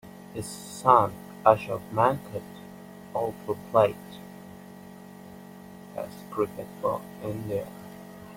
His son Ashok Mankad also played Test Cricket for India.